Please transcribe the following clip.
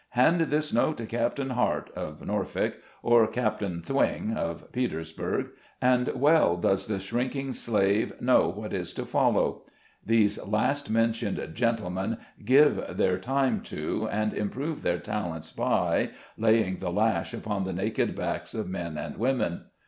Hand this note to Captain Heart," (of Norfolk), or "Cap tain Thwing," (of Petersburg) — and well does the shrinking slave know what is to follow. These last mentioned gentlemen give their time to, and improve their talents by, laying the lash upon the naked backs of men and women